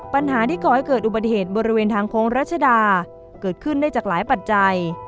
ปัญหาที่ก่อให้เกิดอุบัติเหตุบริเวณทางโค้งรัชดาเกิดขึ้นได้จากหลายปัจจัย